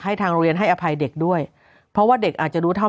ทางโรงเรียนให้อภัยเด็กด้วยเพราะว่าเด็กอาจจะรู้เท่า